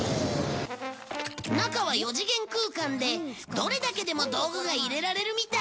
中は四次元空間でどれだけでも道具が入れられるみたい！